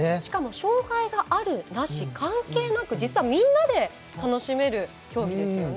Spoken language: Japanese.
障がいがあるなし関係なく実はみんなで楽しめる競技ですよね。